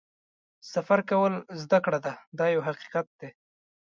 سفر کول زده کړه ده دا یو حقیقت دی.